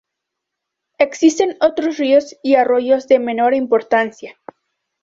Existen otros ríos y arroyos de menor importancia.